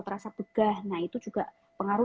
terasa begah nah itu juga pengaruh